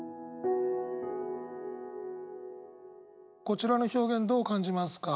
こちらの表現どう感じますか？